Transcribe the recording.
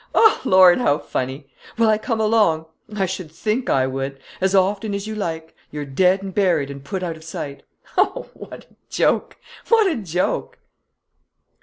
Lord, how funny!... Will I come along? I should think I would! As often as you like! You're dead and buried and put out of sight!... Oh, what a joke, what a joke!"